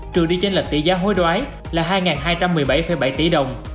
trừ đi trên lệch tỷ giá hối đoái là hai hai trăm một mươi bảy bảy tỷ đồng